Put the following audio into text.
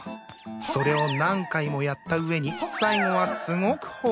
それを何回もやった上に最後はすごく放り投げて。